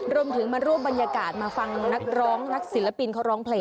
รวมถึงมารวบบรรยากาศมาฟังนักร้องนักศิลปินเขาร้องเพลง